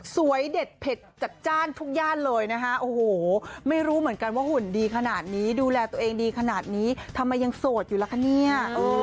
เด็ดเผ็ดจัดจ้านทุกย่านเลยนะคะโอ้โหไม่รู้เหมือนกันว่าหุ่นดีขนาดนี้ดูแลตัวเองดีขนาดนี้ทำไมยังโสดอยู่ล่ะคะเนี่ย